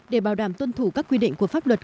để bảo đảm tuân thủ các quy định của pháp luật